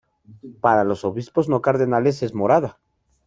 Para los obispos no cardenales es morada.